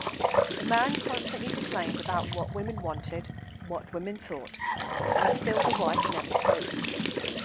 The man constantly declaimed about "what women wanted, what women thought," and still the wife never spoke.